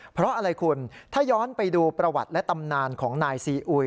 เพราะอะไรคุณถ้าย้อนไปดูประวัติและตำนานของนายซีอุย